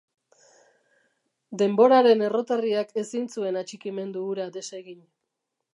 Denboraren errotarriak ezin zuen atxikimendu hura desegin.